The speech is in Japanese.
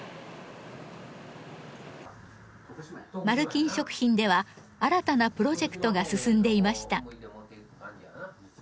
丸金食品では新たなプロジェクトが進んでいました。